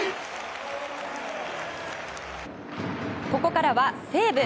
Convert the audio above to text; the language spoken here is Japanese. ここからは西武。